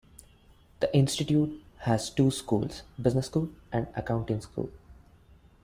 The institute has two schools: Business School and Accounting School.